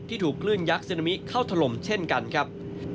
ถูกคลื่นยักษ์ซึนามิเข้าถล่มเช่นกันครับ